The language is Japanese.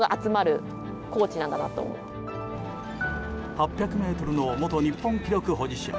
８００ｍの元日本記録保持者